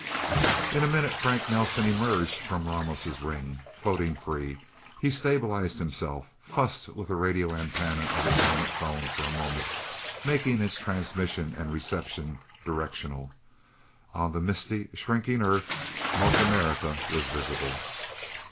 In a minute, Frank Nelsen emerged from Ramos' ring. Floating free, he stabilized himself, fussed with the radio antenna of his helmet phone for a moment, making its transmission and reception directional. On the misty, shrinking Earth, North America was visible.